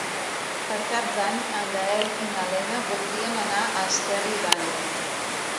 Per Cap d'Any en Gaël i na Lena voldrien anar a Esterri d'Àneu.